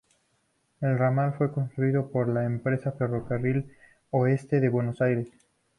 El ramal fue construido por la empresa Ferrocarril Oeste de Buenos Aires.